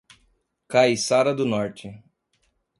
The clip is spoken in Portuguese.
Caiçara do Norte